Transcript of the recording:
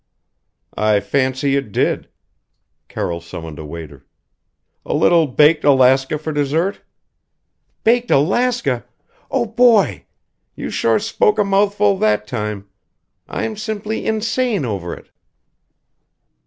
"I fancy it did " Carroll summoned a waiter "A little baked Alaska for dessert?" "Baked Alaska! Oh! boy! you sure spoke a mouthful that time. I'm simply insane over it!"